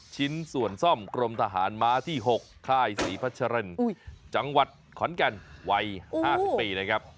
จริงส่วนซ่อมกรมทหารม้าที่๖ค่ายศรีพชรรณจังหวัดขอนกันวัย๕๐ปี